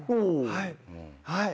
はい。